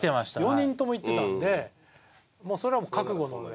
４人とも行ってたんでそれは覚悟のうえ。